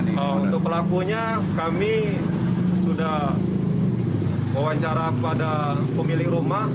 untuk pelakunya kami sudah mewawancara kepada pemilik rumah